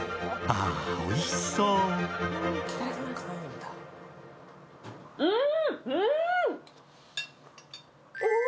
ああ、おいしそう。